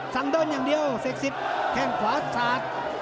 สั่งเดินอย่างเดียวเศรษฐแค่งขาดชาติ